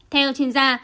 theo chuyên gia